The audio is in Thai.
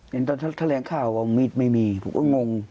ตอนนั้นแถลงข่าวว่ามีดไม่มีผมก็งง